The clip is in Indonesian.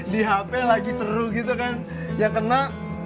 di hp lagi seru gitu kan ya kena